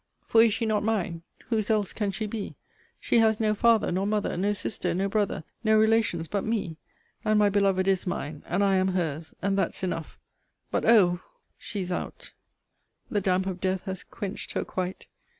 For is she not mine? Whose else can she be? She has no father nor mother, no sister, no brother, no relations but me. And my beloved is mine, and I am her's and that's enough. But Oh! She's out. The damp of death has quench'd her quite!